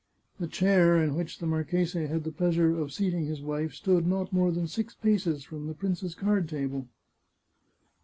The chair in which the marchese had the pleasure of seating his wife stood not more than six paces from the prince's card table.